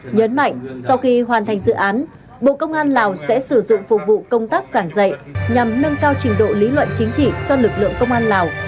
nhấn mạnh sau khi hoàn thành dự án bộ công an lào sẽ sử dụng phục vụ công tác giảng dạy nhằm nâng cao trình độ lý luận chính trị cho lực lượng công an lào